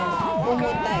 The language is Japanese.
重たい。